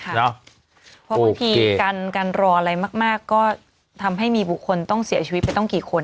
เพราะบางทีการรออะไรมากก็ทำให้มีบุคคลต้องเสียชีวิตไปต้องกี่คน